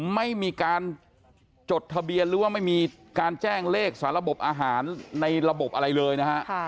ไม่มีการจดทะเบียนหรือว่าไม่มีการแจ้งเลขสาระบบอาหารในระบบอะไรเลยนะฮะ